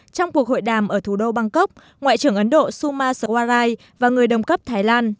trong cuộc hội đàm ở thủ đô bangkok ngoại trưởng ấn độ suma swarai và người đồng cấp thái lan